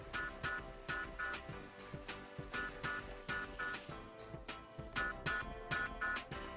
sampai jumpa di video selanjutnya